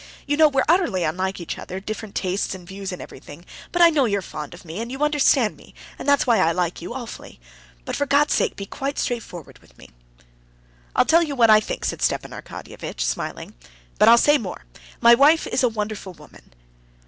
You know we're utterly unlike each other, different tastes and views and everything; but I know you're fond of me and understand me, and that's why I like you awfully. But for God's sake, be quite straightforward with me." "I tell you what I think," said Stepan Arkadyevitch, smiling. "But I'll say more: my wife is a wonderful woman...."